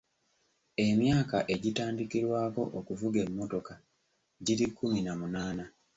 Emyaka egitandikirwako okuvuga emmotoka giri kkumi na munaana.